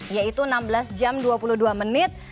yaitu enam belas jam dua puluh dua menit